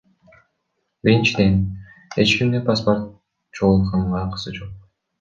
Биринчиден, эч кимдин паспорт чогултканга акысы жок.